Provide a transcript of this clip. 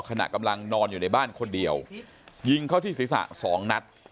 ขณะกำลังนอนอยู่ในบ้านคนเดียวยิงเข้าที่ศีรษะสองนัด